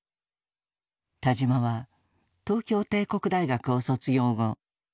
田島は東京帝国大学を卒業後金融界で活躍。